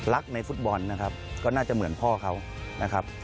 ในฟุตบอลนะครับก็น่าจะเหมือนพ่อเขานะครับ